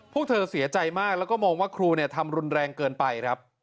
พวกเธอเสียใจมากแล้วก็มองว่าครูทำรุนแรงเกินไปครับ